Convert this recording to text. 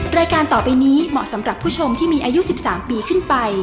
รายการต่อไปนี้เหมาะสำหรับผู้ชมที่มีอายุ๑๓ปีขึ้นไป